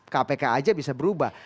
kpk aja bisa berubah